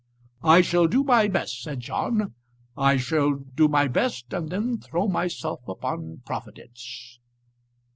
"I shall do my best," said John. "I shall do my best and then throw myself upon Providence."